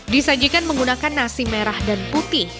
disajikan menggunakan nasi merah dan putih